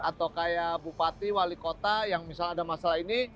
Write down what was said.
atau kayak bupati wali kota yang misalnya ada masalah ini